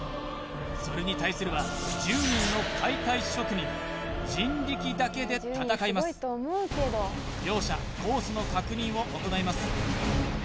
それに対するは人力だけで戦います両者コースの確認を行います